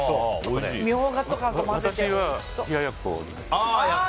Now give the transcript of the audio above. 私は冷ややっこに。